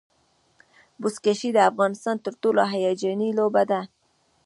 بزکشي د افغانستان تر ټولو هیجاني لوبه ده.